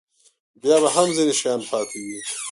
بیا به هم ځینې شیان پاتې وي.